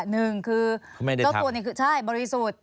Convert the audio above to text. หนึ่งคือบริสุทธิ์